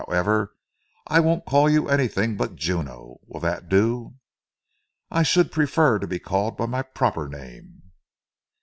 However I won't call you anything but Juno will that do?" "I should prefer to be called by my proper name!"